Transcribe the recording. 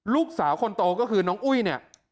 ลูกสาวคนโตก็คือน้องอุ้ยเนี่ย